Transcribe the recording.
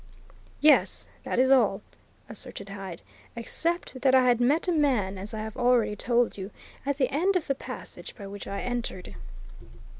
"Yes that is all," asserted Hyde. "Except that I had met a man, as I have already told you, at the end of the passage by which I entered."